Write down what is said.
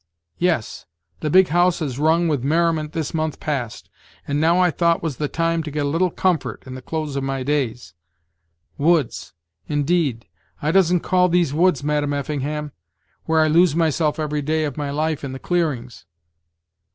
Yes! the big house has rung with merriment this month past! And now I thought was the time to get a little comfort in the close of my days. Woods! indeed! I doesn't call these woods, Madam Effingham, where I lose myself every day of my life in the clearings."